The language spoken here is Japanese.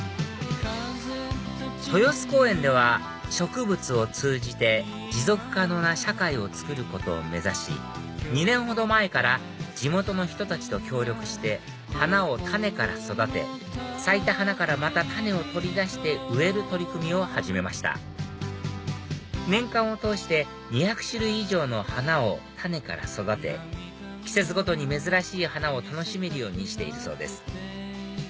豊洲公園では植物を通じて持続可能な社会をつくることを目指し２年ほど前から地元の人たちと協力して花を種から育て咲いた花からまた種を取り出して植える取り組みを始めました年間を通して２００種類以上の花を種から育て季節ごとに珍しい花を楽しめるようにしているそうです